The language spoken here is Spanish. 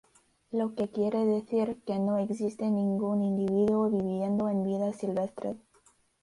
Lo que quiere decir que no existe ningún individuo viviendo en vida silvestre.